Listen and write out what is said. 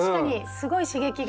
すごい刺激が。